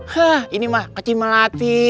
hah ini mah kecil melati